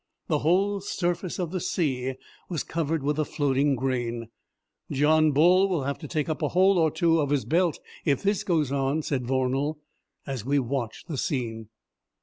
The whole surface of the sea was covered with the floating grain. "John Bull will have to take up a hole or two of his belt if this goes on," said Vornal, as we watched the scene.